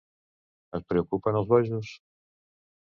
Et preocupen els bojos?